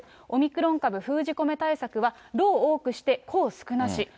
オミクロン株封じ込め対策は、労多くして功少なし。